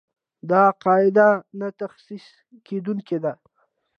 دا قاعده نه تخصیص کېدونکې ده.